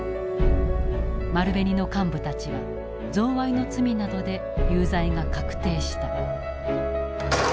丸紅の幹部たちは贈賄の罪などで有罪が確定した。